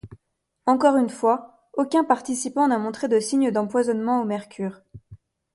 Encore une fois, aucun participant n'a montré de signes d'empoisonnement au mercure.